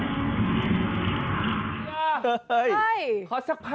ลูเห็นเป็นใจค่ะ